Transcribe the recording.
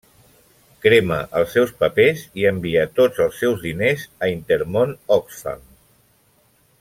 Crema els seus papers i envia tots els seus diners a Intermón Oxfam.